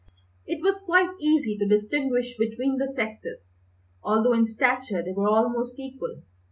It was quite easy to distinguish between the sexes, although in stature they were almost equal.